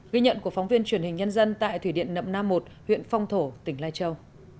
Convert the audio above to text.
ghi nhận của phóng viên truyền hình nhân dân tại thủy điện nậm nam một huyện phong thổ tỉnh lai châu